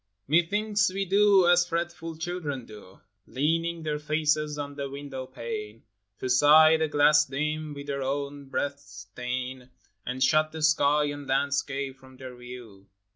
TV/TETH1NKS we do as fretful children do, Leaning their faces on the window pane To sigh the glass dim with their own breaths' stain, And shut the sky and landscape from their view.